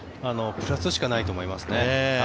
プラスしかないと思いますね。